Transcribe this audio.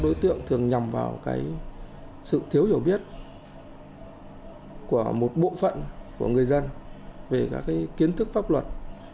đối tượng thường nhằm vào cái sự thiếu hiểu biết của một bộ phận của người dân về cả cái kiến thức pháp luật